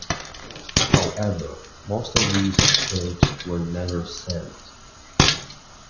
However, most of these troops were never sent.